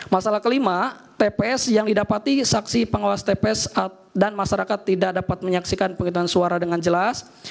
masalah kelima tps yang didapati saksi pengawas tps dan masyarakat tidak dapat menyaksikan penghitungan suara dengan jelas